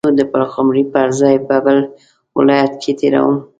نو د پلخمري پر ځای به بل ولایت کې تیروم.